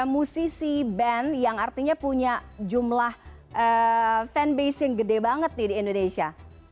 musisi band yang artinya punya jumlah fan base yang gede banget di indonesia